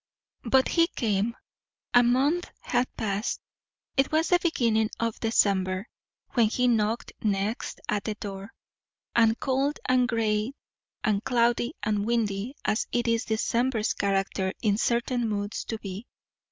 But he came. A month had passed; it was the beginning of December when he knocked next at the door, and cold and grey and cloudy and windy as it is December's character in certain moods to be.